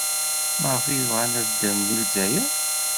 Maɣef ay bɣan ad ddren deg Lezzayer?